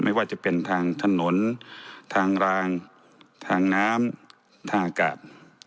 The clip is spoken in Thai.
ไม่ว่าจะเป็นทางถนนทางรางทางน้ำทางอากาศ